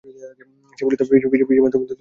সে বলিত, পিসিমা, তুমি দুদিনের জন্যে কেন এলে!